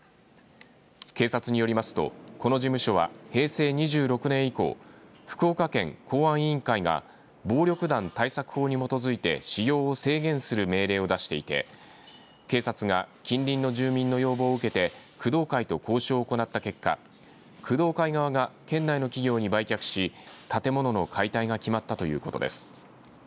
警察によりますとこの事務所は、平成２６年以降福岡県公安委員会が暴力団対策法に基づいて使用を制限する命令を出していて警察が近隣の住民の要望を受けて工藤会と交渉を行った結果工藤会側が県内の企業に売却し建物の解体が決まったということです。